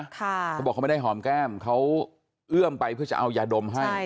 เขาบอกเขาไม่ได้หอมแก้มเขาเอื้อมไปเพื่อจะเอายาดมให้